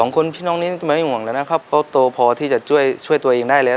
คนพี่น้องนี้ไม่ห่วงแล้วนะครับเขาโตพอที่จะช่วยตัวเองได้แล้ว